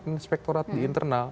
inspektorat di internal